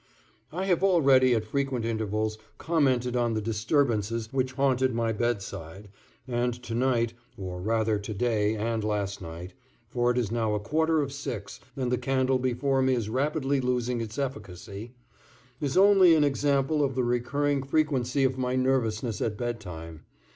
I have already at frequent intervals commented on the disturbances which haunted my bedside, and to night, or rather to day and last night (for it is now a quarter of six and the candle before me is rapidly losing its efficacy) is only an example of the recurring frequency of my nervousness at bedtime